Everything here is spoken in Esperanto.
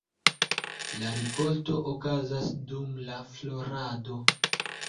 La rikolto okazas dum la florado.